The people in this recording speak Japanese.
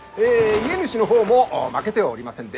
家主の方も負けてはおりませんで。